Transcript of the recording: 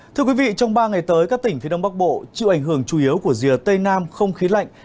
thưa quý vị trong ba ngày tới các tỉnh phía đông bắc bộ chịu ảnh hưởng chủ yếu của rìa tây nam không khí lạnh